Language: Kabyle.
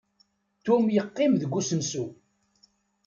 Tum yeqqim deg usensu.